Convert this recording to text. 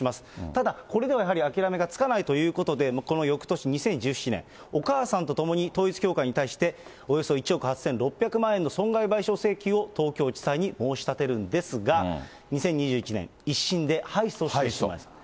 ただ、これではやはり諦めがつかないということで、このよくとし・２０１７年、お母さんと共に、統一教会に対して、およそ１億８６００万円の損害賠償請求を、東京地裁に申し立てるんですが、２０２１年、１審で敗訴してしまいます。